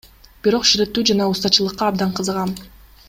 Бирок ширетүү жана устачылыкка абдан кызыгам.